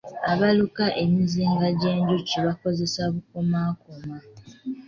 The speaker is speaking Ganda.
Abaluka emizinga gy'enjuki bakozesa bukomakoma.